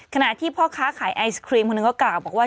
ขณะที่พ่อค้าขายไอศกรีมคนนึงก็กลับบอกว่า